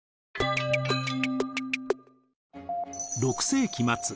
６世紀末。